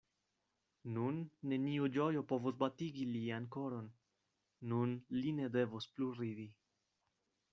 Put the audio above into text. Nun neniu ĝojo povos batigi lian koron; nun li ne devos plu ridi.